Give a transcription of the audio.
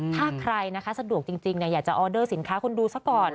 ถ้าใครนะคะสะดวกจริงอยากจะออเดอร์สินค้าคนดูซะก่อน